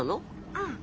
☎うん。